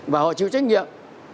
và họ chịu trách nhiệm